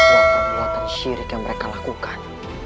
perbuatan perbuatan syirik yang mereka lakukan